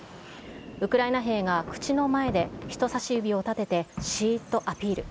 ウクライナ兵が、口の前で人さし指を立ててしーっとアピール。